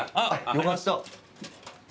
よかった。